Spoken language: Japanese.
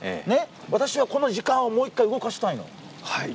私はこの時間をもう一回動かしたいの。